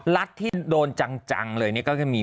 รัฐที่โดนจังเลยนี่ก็จะมี